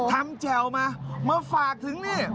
ทำแจวมามาฝากถึงนี่